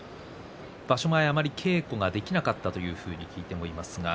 場所前あまり稽古ができなかったというふうに聞いております。